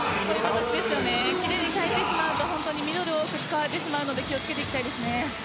奇麗に返ってしまうとミドルを多く使われてしまうので気を付けていきたいですね。